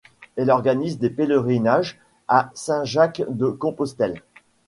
Elle organise des pèlerinages à Saint-Jacques-de-Compostelle.